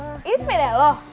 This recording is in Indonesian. ini sepeda lo